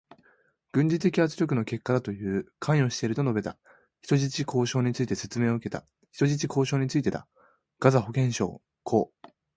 軍事的圧力の結果だという。関与していると述べた。人質交渉について説明を受けた。人質交渉についてた。ガザ保健省、子どもたちだという。